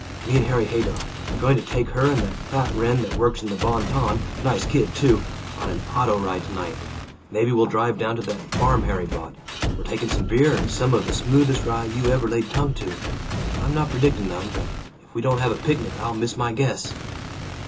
Me and Harry Haydock are going to take her and that fat wren that works in the Bon Ton nice kid, too on an auto ride tonight. Maybe we'll drive down to that farm Harry bought. We're taking some beer, and some of the smoothest rye you ever laid tongue to. I'm not predicting none, but if we don't have a picnic, I'll miss my guess."